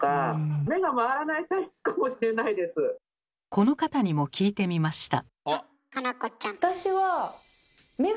この方にも聞いてみました。